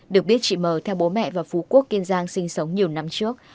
được biết chị mờ theo bố mẹ và phú quốc kiên giang sinh sống nhiều năm trước